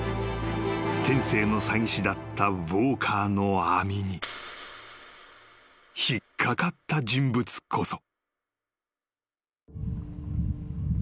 ［天性の詐欺師だったウォーカーの網に引っ掛かった人物こそ］